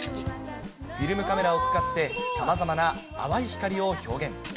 フィルムカメラを使って、さまざまな淡い光を表現。